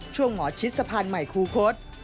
หมอชิดสะพานใหม่คูคศ